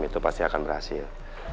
itu pasti akan berhasil